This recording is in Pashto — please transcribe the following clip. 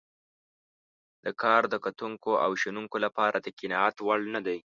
دا کار د کتونکو او شنونکو لپاره د قناعت وړ نه دی.